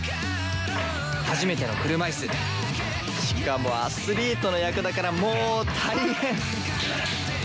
初めての車いすしかもアスリートの役だからもう大変！